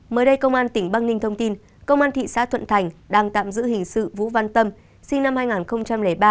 mới đây công an tỉnh băng ninh thông tin công an thị xã thuận thành đang tạm giữ hình sự vũ văn tâm sinh năm hai nghìn ba